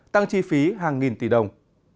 tăng chi phí hàng nghìn tỷ đồng